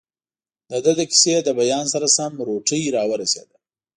دده د کیسې له بیان سره سم، روټۍ راورسېده.